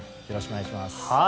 よろしくお願いします。